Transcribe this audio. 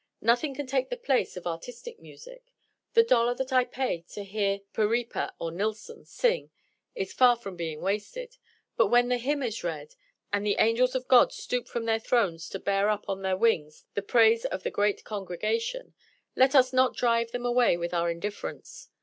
Nothing can take the place of artistic music. The dollar that I pay to hear Parepa or Nilsson sing is far from being wasted. But, when the hymn is read, and the angels of God stoop from their thrones to bear up on their wings the praise of the great congregation, let us not drive them away with our indifference.